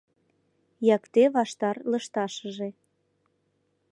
Якте ваштар лышташыже